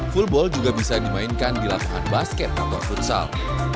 fullball juga bisa dimainkan di lapangan basket atau futsal